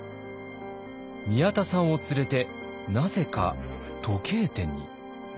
宮田さんを連れてなぜか時計店に。